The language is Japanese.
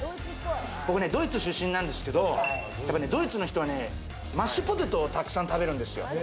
僕ね、ドイツ出身なんですけれど、やっぱり、これドイツの人はマッシュポテトをたくさん食べるんですよ。